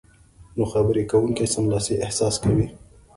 نو خبرې کوونکی سملاسي احساس کوي